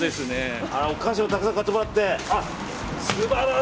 お菓子もたくさん買ってもらって。